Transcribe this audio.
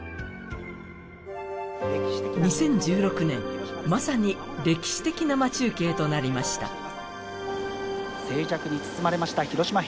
２０１６年まさに歴史的生中継となりました